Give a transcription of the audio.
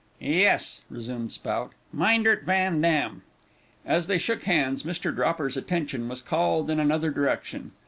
"Yes," resumed Spout, "Myndert Van Dam." As they shook hands, Mr. Dropper's attention was called in another direction.